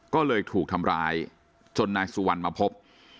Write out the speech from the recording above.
ก็เลยถูกทำร้ายจนนายสุวรรณมาพบ